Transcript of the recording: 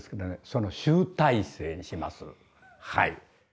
その集大成にします。